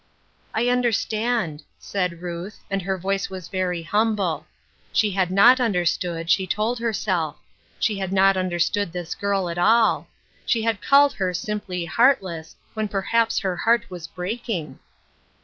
" I understand," said Ruth, and her voice was very humble. She had not understood, she told her self ; she had not understood this girl at all ; she had called her simply heartless, when perhaps her heart was breaking.